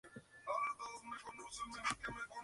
Era el tercero de cuatro hermanos.